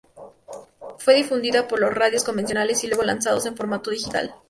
Fue difundida por las radios convencionales y luego lanzado en formato digital.